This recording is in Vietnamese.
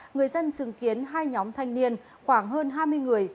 người dân chứng kiến hai nhóm thanh niên khoảng hơn hai mươi người